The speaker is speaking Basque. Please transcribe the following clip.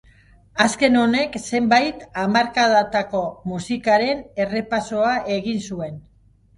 Azken honek zenbait hamarkadatako musikaren errepasoa egin zuen.